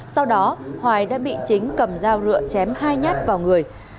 sau đó hoài đã bị chính cầm dao rượu chém hai nhát vào người